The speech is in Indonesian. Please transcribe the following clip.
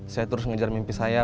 saya terus ngejar mimpi saya